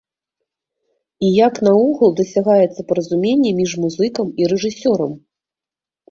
І як наогул дасягаецца паразуменне між музыкам і рэжысёрам?